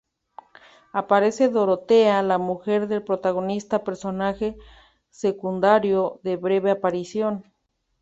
Aparece Dorotea, la mujer del protagonista, personaje secundario de breve aparición.